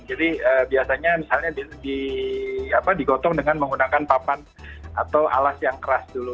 jadi biasanya misalnya digotong dengan menggunakan papan atau alas yang keras dulu